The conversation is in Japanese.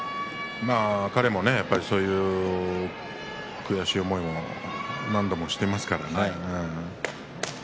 彼もそういう悔しい思いも何度もしていますから。